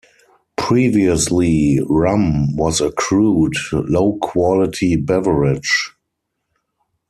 Previously, rum was a crude, low quality beverage.